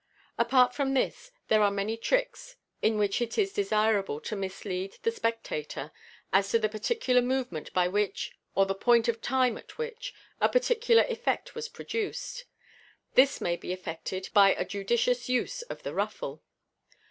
Apart from this, there are many tricks in which it is desirable to mislead the spectator as to the particular movement by which, or the point of time at which, a particular effect was produced. This may be effected by a judicious use of the ruffle.